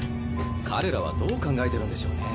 彼らはどう考えてるんでしょうね？